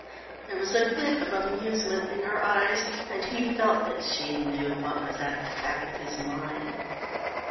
There was a glint of amusement in her eyes, and he felt that she knew what was at the back of his mind.